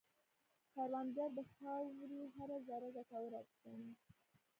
کروندګر د خاورې هره ذره ګټوره ګڼي